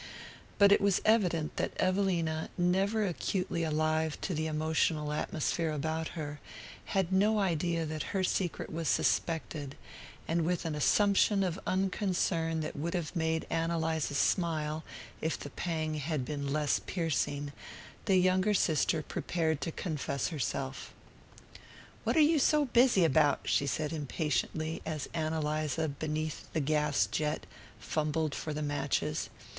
But it was evident that Evelina, never acutely alive to the emotional atmosphere about her, had no idea that her secret was suspected; and with an assumption of unconcern that would have made Ann Eliza smile if the pang had been less piercing, the younger sister prepared to confess herself. "What are you so busy about?" she said impatiently, as Ann Eliza, beneath the gas jet, fumbled for the matches.